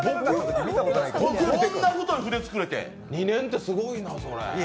こんな太い筆、作れて２年って、すごいな。